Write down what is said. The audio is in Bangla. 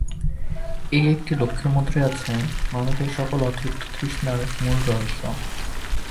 এই একটি লক্ষ্যের মধ্যেই আছে মানুষের সকল অতৃপ্ত তৃষ্ণার মূল রহস্য।